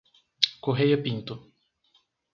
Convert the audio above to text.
Correia Pinto